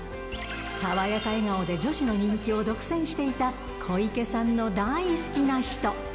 爽やか笑顔で女子の人気を独占していた、小池さんの大好きな人。